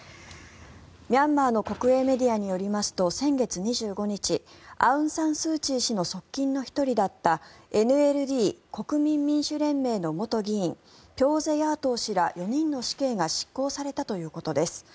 ミャンマーの国営メディアによりますと、先月２５日アウンサンスーチー氏の側近の１人だったＮＬＤ・国民民主連盟の元議員ピョーゼヤートー氏ら４人の死刑が執行されたということです。